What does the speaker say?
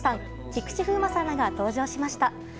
菊池風磨さんらが登場しました。